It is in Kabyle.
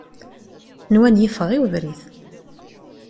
Nwan-iyi ffɣeɣ i ubrid.